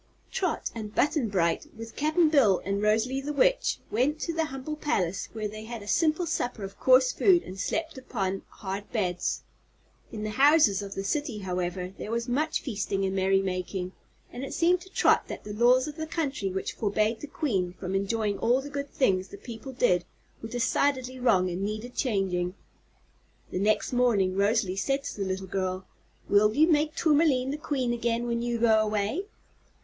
Trot and Button Bright, with Cap'n Bill and Rosalie the Witch, went to the humble palace, where they had a simple supper of coarse food and slept upon hard beds. In the houses of the City, however, there was much feasting and merrymaking, and it seemed to Trot that the laws of the country which forbade the Queen from enjoying all the good things the people did were decidedly wrong and needed changing. The next morning Rosalie said to the little girl: "Will you make Tourmaline the Queen again, when you go away?"